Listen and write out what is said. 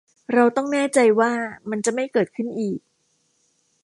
เราต้องแน่ใจว่ามันจะไม่เกิดขึ้นอีก